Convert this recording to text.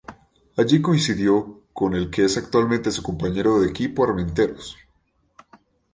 Allí coincidió con el que es actualmente su compañero de equipo Armenteros.